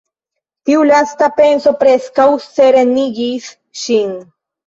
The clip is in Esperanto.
Tiu lasta penso preskaŭ serenigis ŝin.